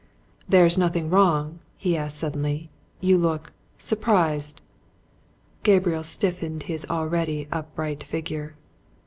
"There's nothing wrong?" he asked suddenly. "You look surprised." Gabriel stiffened his already upright figure.